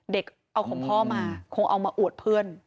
เด็กเอาของพ่อมาคงเอามาอวดเพื่อน